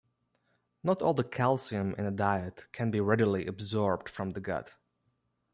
Not all the calcium in the diet can be readily absorbed from the gut.